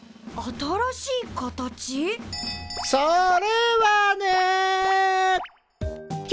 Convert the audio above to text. それはね。